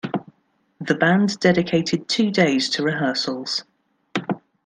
The band dedicated two days to rehearsals.